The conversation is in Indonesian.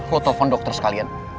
lo telepon dokter sekalian